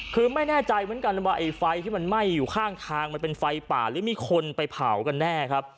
คือไม่แน่ใจเหมือนกันว่าไอ้ไฟที่มันไหม้อยู่ข้างทางมันเป็นไฟป่าหรือมีคนไปเผากันแน่ครับ